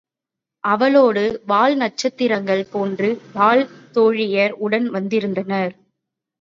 அவளோடு வால் நட்சத்திரங்கள் போன்று அவள் தோழியர் உடன் வந்திருந்தனர்.